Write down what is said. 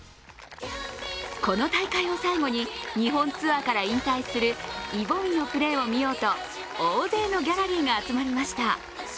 この大会を最後に日本ツアーから引退するイ・ボミのプレーを見ようと大勢のギャラリーが集まりました。